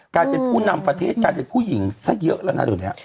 การเป็นผู้นำประเทศจะเป็นผู้หญิงซะเยอะแล้ว